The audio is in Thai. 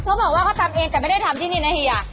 เขาบอกว่าเขาทำเองแต่ไม่ได้ทำที่นี่นะเฮีย